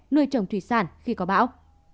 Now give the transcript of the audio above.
nuôi trồng thủy sản khi có bão